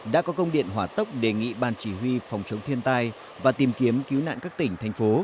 đã có công điện hỏa tốc đề nghị ban chỉ huy phòng chống thiên tai và tìm kiếm cứu nạn các tỉnh thành phố